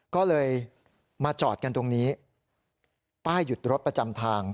ก็เลยมาจอดกันตรงนี้ป้ายหยุดรถประจำทาง